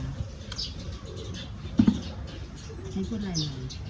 ให้พูดอะไรหน่อย